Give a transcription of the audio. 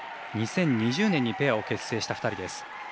２０２０年にペアを結成した２人です。